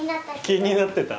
気になってた？